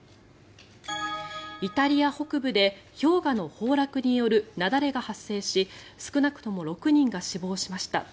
イタリア北部で氷河の崩落による雪崩が発生し少なくとも６人が死亡しました。